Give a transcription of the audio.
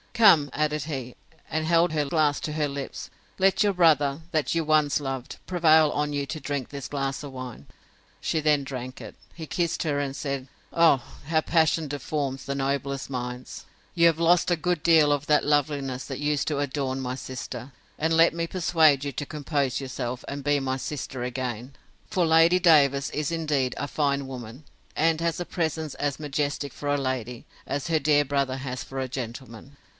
Come, added he, and held the glass to her lips, let your brother, that you once loved, prevail on you to drink this glass of wine.—She then drank it. He kissed her, and said, Oh! how passion deforms the noblest minds! You have lost a good deal of that loveliness that used to adorn my sister. And let me persuade you to compose yourself, and be my sister again!—For Lady Davers is, indeed, a fine woman; and has a presence as majestic for a lady, as her dear brother has for a gentleman.